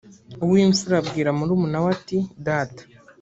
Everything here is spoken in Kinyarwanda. uw imfura abwira murumuna we ati data